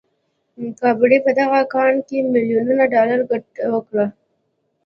کباړي په دغه کان کې ميليونونه ډالر ګټه وكړه.